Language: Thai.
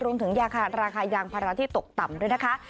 รวมถึงราคายางภาระที่ตกต่ำด้วยนะคะ